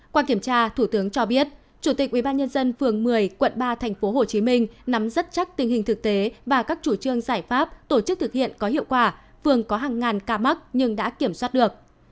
qua kiểm tra thủ tướng cho biết chủ tịch ubnd phường một mươi quận ba tp hcm nắm rất chắc tình hình thực tế và các chủ trương giải pháp tổ chức thực hiện có hiệu quả phường có hàng ngàn ca mắc nhưng đã kiểm soát được